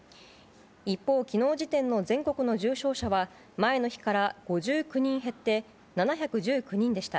一方、昨日時点の全国の重症者は前の日から５９人減って７１９人でした。